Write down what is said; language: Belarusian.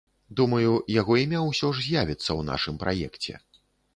Думаю, яго імя ўсё ж з'явіцца ў нашым праекце.